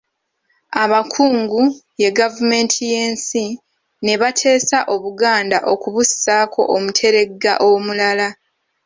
Abakungu, ye Gavumenti y'ensi, ne bateesa Obuganda okubussaako Omuteregga omulala.